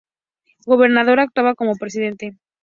Gobernador actuaba como presidente.